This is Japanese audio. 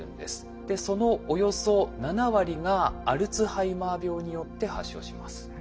そのおよそ７割がアルツハイマー病によって発症します。